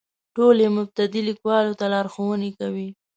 ټول یې مبتدي لیکوالو ته لارښوونې کوي.